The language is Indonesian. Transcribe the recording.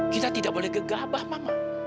kita tidak boleh gegabah mama